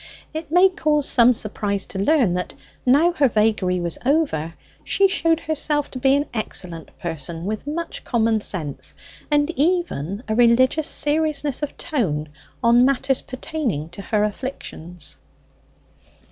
It may cause some surprise to learn that, now her vagary was over, she showed herself to be an excellent person with much common sense, and even a religious seriousness of tone on matters pertaining to her afflictions.